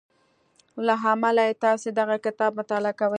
له امله یې تاسې دغه کتاب مطالعه کوئ